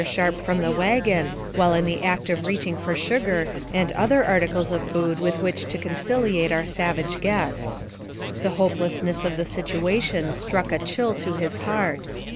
Sharp from the wagon, while in the act of reaching for sugar and other articles of food with which to conciliate our savage guests. The hopelessness of the situation struck a chill to his heart.